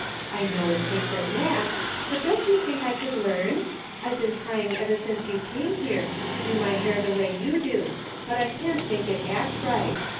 I know it takes a knack, but don't you think I could learn ? I've been trying ever since you came here to do my hair the way you do, but I can't make it act right.